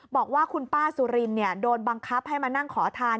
บอกว่าคุณป้าสุรินโดนบังคับให้มานั่งขอทาน